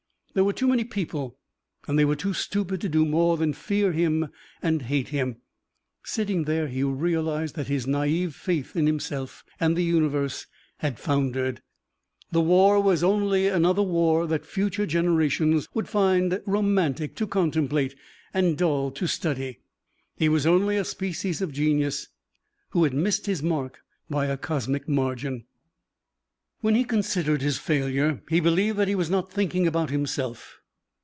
There were too many people and they were too stupid to do more than fear him and hate him. Sitting there, he realized that his naïve faith in himself and the universe had foundered. The war was only another war that future generations would find romantic to contemplate and dull to study. He was only a species of genius who had missed his mark by a cosmic margin. When he considered his failure, he believed that he was not thinking about himself.